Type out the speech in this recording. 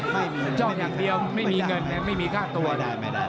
ไม่มีจ้องอย่างเดียวไม่มีเงินไม่มีค่าตัวได้ไม่ได้